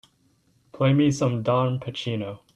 play me some Dom Pachino